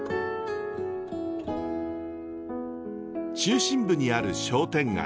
中心部にある商店街。